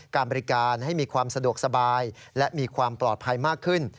การบริการให้มีความสะดวกสบายและมีความปลอดภัยมากขึ้น